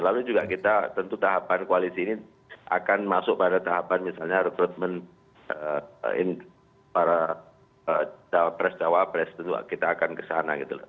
lalu juga kita tentu tahapan koalisi ini akan masuk pada tahapan misalnya rekrutmen para cawapres cawapres tentu kita akan kesana gitu loh